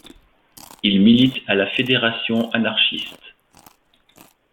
Il milite à la Fédération anarchiste.